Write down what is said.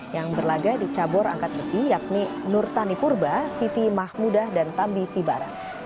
yang berlaga di cabur angkat besi yakni nurtani purba siti mahmudah dan tambi sibara